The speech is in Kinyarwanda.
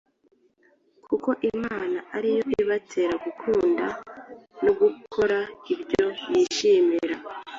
Kuko Imana ari yo ibatera gukunda no gukora ibyo yishimira